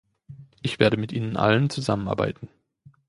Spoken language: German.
Ich werde mit ihnen allen zusammenarbeiten.